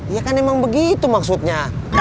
iya kan emang begitu maksudnya